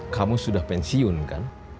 kamu sudah pensiun kan